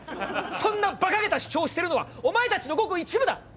そんなばかげた主張をしてるのはお前たちのごく一部だ！